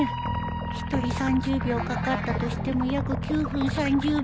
１人３０秒かかったとしても約９分３０秒